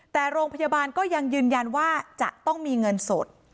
แต่โรงพยาบาลก็ยังยืนยันว่าจะต้องมีเงินสด